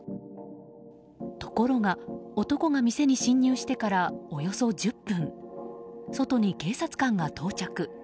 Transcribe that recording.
ところが、男が店に侵入してからおよそ１０分外に警察官が到着。